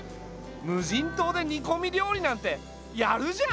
無人島で煮こみ料理なんてやるじゃん！